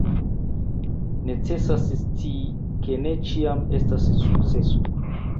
Necesas scii, ke ne ĉiam estas sukceso.